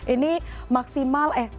ini maksimal eh